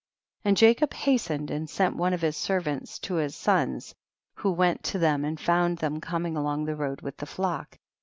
And Jacob hastened and sent one of his servants to his sons, who went to them and found them coming along the road with the flock.